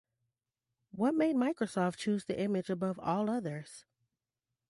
What made Microsoft choose the image above all others?